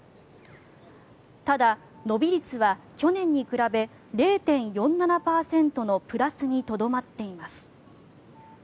ただ、伸び率は去年に比べ０．４７％のプラスにとどまっています。